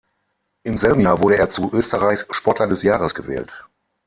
Im selben Jahr wurde er zu Österreichs Sportler des Jahres gewählt.